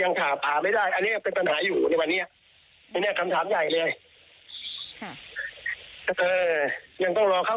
ว่ามันมีข้อบกพร่องหรือไม่สมบูรณ์อย่างไร